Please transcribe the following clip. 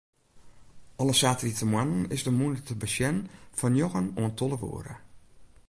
Alle saterdeitemoarnen is de mûne te besjen fan njoggen oant tolve oere.